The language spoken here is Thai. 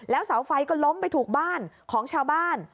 เสาไฟก็ล้มไปถูกบ้านของชาวบ้าน